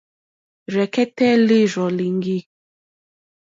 Rzɛ̀kɛ́tɛ́ lǐrzɔ̀ líŋɡî.